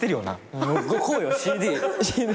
こうよＣＤ。